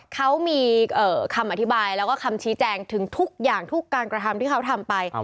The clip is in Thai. เขามีคำอธิบายแล้วก็คำชี้แจงถึงทุกอย่างทุกการกระทำที่เขาทำไป